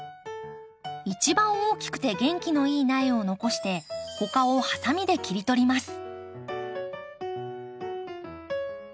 一番大きくて元気のいい苗を残して他をハサミで切り取ります。